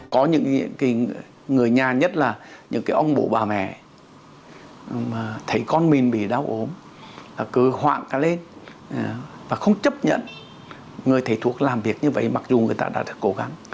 có những người nhà nhất là những ông bố bà mẹ thấy con mình bị đau ốm cứ hoạng lên và không chấp nhận người thầy thuộc làm việc như vậy mặc dù người ta đã cố gắng